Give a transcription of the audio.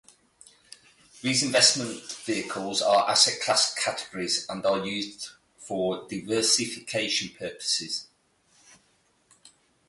These investment vehicles are asset class categories, and are used for diversification purposes.